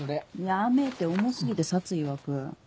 やめて重過ぎて殺意湧く。